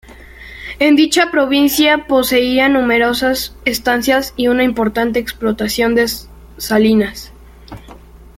En dicha provincia poseía numerosas estancias y una importante explotación de salinas.